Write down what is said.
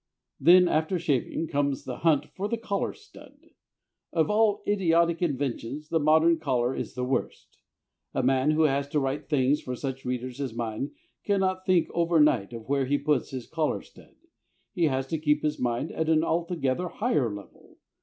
Then after shaving comes the hunt for the collar stud. Of all idiotic inventions the modern collar is the worst. A man who has to write things for such readers as mine cannot think over night of where he puts his collar stud; he has to keep his mind at an altogether higher level.